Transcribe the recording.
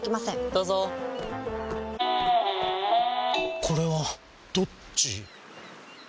どうぞこれはどっち？